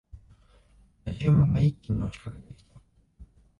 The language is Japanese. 野次馬が一気に押し掛けてきた。